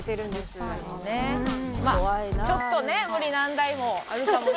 まあちょっとね無理難題もあるかもしれない。